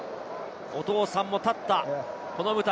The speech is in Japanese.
お父さんも立ったこの舞台。